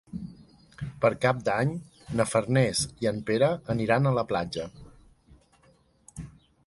Per Cap d'Any na Farners i en Pere aniran a la platja.